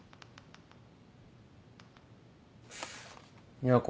美和子。